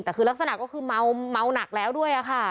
แต่คือลักษณะก็คือเมาหนักแล้วด้วยค่ะ